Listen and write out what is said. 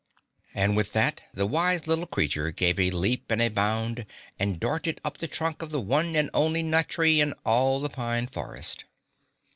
And with that the wise little creature gave a leap and a bound and darted up the trunk of the one and only nut tree in all the Pine Forest.